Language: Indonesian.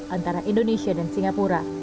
antara indonesia dan singapura